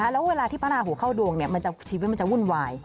แล้วเวลาที่พระราหูเข้าดวงชีวิตมันจะวุ่นวาย